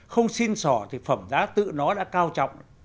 không xin sỏ thì phẩm giá tự nó đã cao trọng